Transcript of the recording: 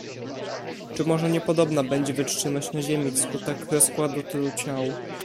"Czy może niepodobna będzie wytrzymać na ziemi wskutek rozkładu tylu ciał?"